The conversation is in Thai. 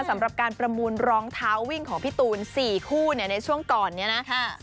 สำหรับการประมูลรองเท้าวิ่งของพี่ตูน๔คู่เนี่ยในช่วงก่อนนี้นะ